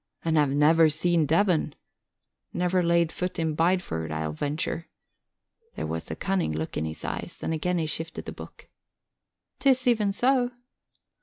"And have never seen Devon? Never laid foot in Bideford, I'll venture." There was a cunning look in his eyes and again he shifted the book. "'Tis even so."